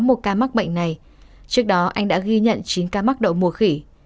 một ca mắc bệnh này trước đó anh đã ghi nhận chín ca mắc đậu mùa khỉ